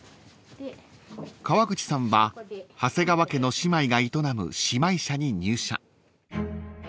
［川口さんは長谷川家の姉妹が営む姉妹社に入社］